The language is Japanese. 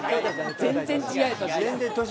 全然違う、年。